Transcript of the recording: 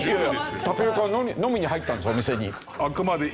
タピオカを飲みに入ったんですお店に。